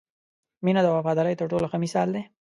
• مینه د وفادارۍ تر ټولو ښه مثال دی.